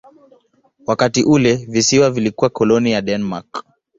Wakati ule visiwa vilikuwa koloni ya Denmark.